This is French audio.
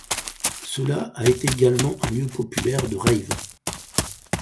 Cela a été également un lieu populaire de rave.